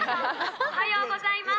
おはようございます。